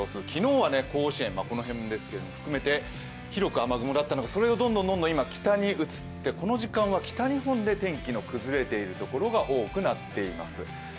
昨日は甲子園、この辺ですけど含めて広く雨雲だったのがそれがどんどん今北に移って、この時間は北日本で天気の崩れている所が多くなっています。